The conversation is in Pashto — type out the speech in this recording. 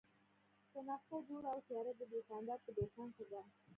شنخته جوړه او تیاره د دوکاندار په دوکان کې ده.